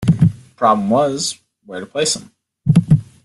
The problem was, where to place them?